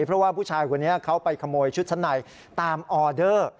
เพราะว่าผู้ชายคนนี้เขาไปขโมยชุดชั้นในตามออเดอร์